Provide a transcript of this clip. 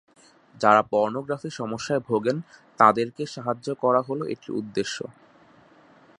যারা পর্নোগ্রাফি সমস্যায় ভোগেন তাঁদেরকে সাহায্য করা হল এটির উদ্দেশ্য।